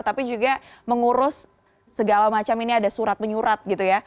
tapi juga mengurus segala macam ini ada surat menyurat gitu ya